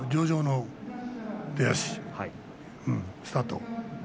上々の出足スタート。